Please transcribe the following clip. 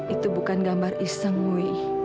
itu bukan gambar iseng wih